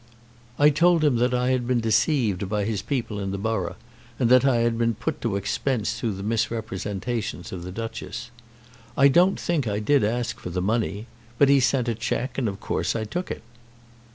"I told him that I had been deceived by his people in the borough, and that I had been put to expense through the misrepresentations of the Duchess. I don't think I did ask for the money. But he sent a cheque, and of course I took it."